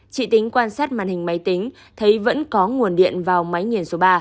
chị tính quan sát màn hình máy tính thấy vẫn có nguồn điện vào máy nghiền số ba